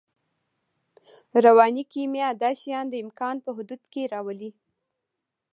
رواني کیمیا دا شیان د امکان په حدودو کې راولي